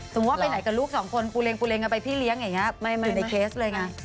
ซึ่งว่าไปไหนกับลูก๒คนกูเรงไปพี่เลี้ยงอย่างงี้หืดในเคสเลย